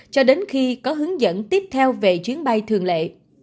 cho đến khi có hướng dẫn tiếp theo về chuyến bay thường lệ